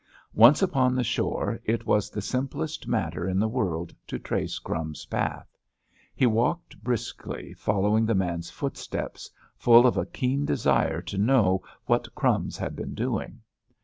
Once upon the shore, it was the simplest matter in the world to trace "Crumbs's" path. He walked briskly, following the man's footsteps, full of a keen desire to know what "Crumbs" had been doing.